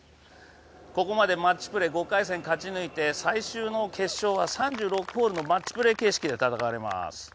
ここまでマッチプレー５回戦勝ち抜いて最終の決勝は３６ホールマッチプレー方式で戦われます。